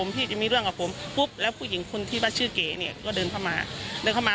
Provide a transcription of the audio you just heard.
แต่ไม่พูดถึงมหาทาง